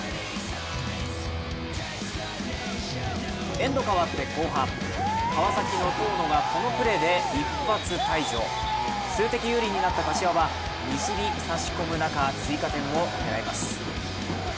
エンド変わって後半、川崎の遠野がこのプレーで一発退場、数的有利になった柏は西日差し込む中、追加点を狙います。